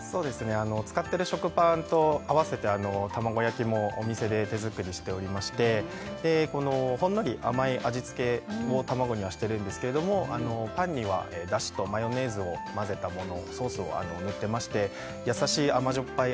使ってる食パンと合わせて卵焼きもお店で手作りしておりましてこのほんのり甘い味付けを卵にはしてるんですけれどもパンにはだしとマヨネーズを混ぜたものソースを塗ってまして優しいあまじょっぱい